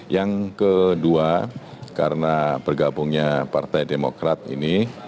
yang kedua karena bergabungnya partai demokrat ini